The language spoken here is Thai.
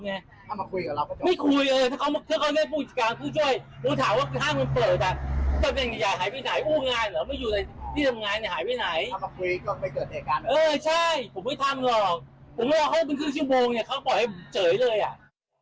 ผมไม่ว่าเข้าเป็นครึ่งชั่วโมงเนี่ยเขาบอกให้เจ๋ยเลยอะ